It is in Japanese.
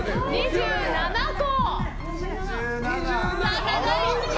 ２７個。